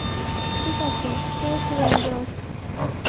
ঠিক আছে, space rangers.